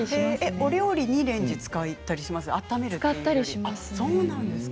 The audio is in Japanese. お料理にレンジを使ったりするんですか？